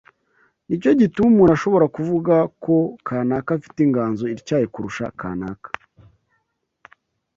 Ni cyo gituma umuntu ashobora kuvuga ko kanaka afite inganzo ityaye kurusha kanaka